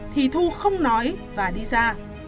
thì thu không nói và đi ra